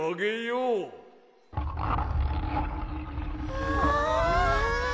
うわ！